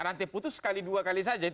nanti putus sekali dua kali saja